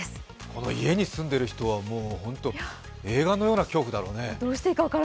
この家に住んでいる人は映画のような恐怖だろうね。